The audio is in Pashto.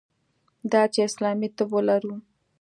دا چې اسلامي طب ولرو.